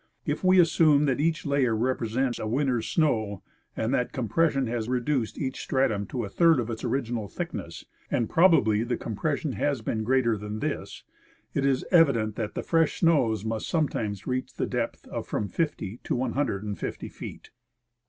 If we assume that each layer represents a winter's snow, and that compression has reduced each stratum to a third of its original thickness (and probably the compression has been greater than this), it is evident that the fresh snows must sometimes reach the depth of from 50 to 150 feet.